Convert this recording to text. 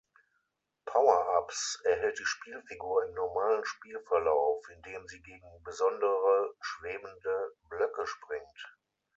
Power-ups erhält die Spielfigur im normalen Spielverlauf, indem sie gegen besondere schwebende Blöcke springt.